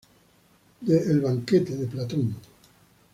De "El Banquete" de Platón.